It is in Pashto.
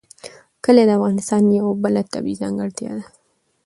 کلي د افغانستان یوه بله طبیعي ځانګړتیا ده.